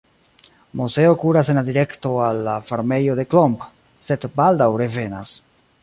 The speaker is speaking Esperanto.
Moseo kuras en la direkto al la farmejo de Klomp, sed baldaŭ revenas.